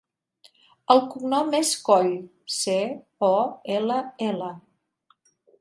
El cognom és Coll: ce, o, ela, ela.